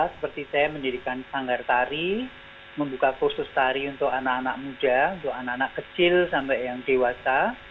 seperti saya mendirikan sanggar tari membuka kursus tari untuk anak anak muda untuk anak anak kecil sampai yang dewasa